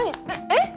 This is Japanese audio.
えっ？